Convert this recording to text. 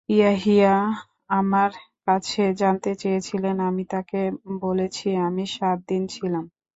ইয়াহিয়া আমার কাছে জানতে চেয়েছিলেন, আমি তাঁকে বলেছি, আমি সাত দিন ছিলাম।